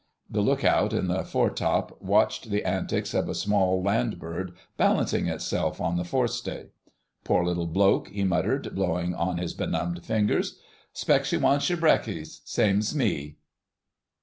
The look out in the foretop watched the antics of a small land bird balancing itself on the forestay. "Poor little bloke," he muttered, blowing on his benumbed fingers, "'spect's you wants yer breakfus'—same's me!"